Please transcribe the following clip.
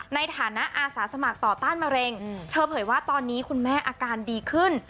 ในฐานะอาสาสมัครต่อต้านมะเร็งเธอเผยว่าตอนนี้คุณแม่อาการดีขึ้น